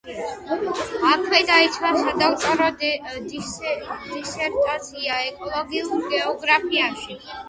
აქვე დაიცვა სადოქტორო დისერტაცია ეკოლოგიურ გეოგრაფიაში.